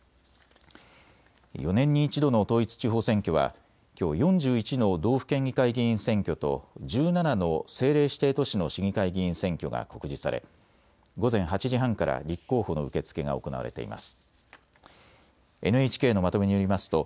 ４年に一度の統一地方選挙はきょう４１の道府県議会議員選挙と１７の政令指定都市の市議会議員選挙が告示され午前８時半から立候補の受け付けが行われています。